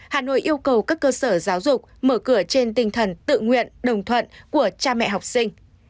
hà nội yêu cầu các cơ sở giáo dục mở cửa trên tinh thần tự nguyện đồng thuận của cha mẹ học sinh